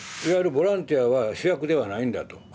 いわゆるボランティアは主役ではないんだと。